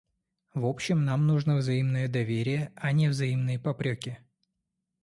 В общем, нам нужно взаимное доверие, а не взаимные попреки.